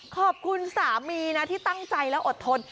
ขอบคุณสามีนะที่ตั้งใจแล้วอดทน